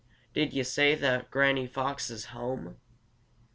Did yo' say that Granny Fox is home?"